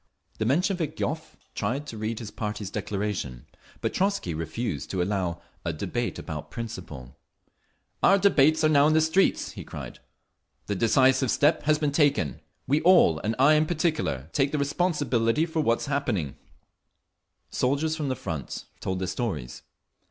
The Menshevik Yoffe tried to read his party's declaration, but Trotzky refused to allow "a debate about principle." "Our debates are now in the streets," he cried. "The decisive step has been taken. We all, and I in particular, take the responsibility for what is happening…." Soldiers from the front, from Gatchina, told their stories.